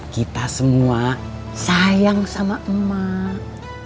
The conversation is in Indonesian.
kita semua sayang sama emak